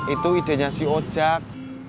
itu idenya si ojak